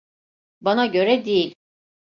Bana göre değil.